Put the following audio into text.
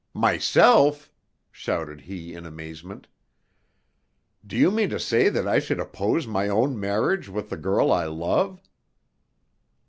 "Myself!" shouted he in amazement. "Do you mean to say that I should oppose my own marriage with the girl I love?"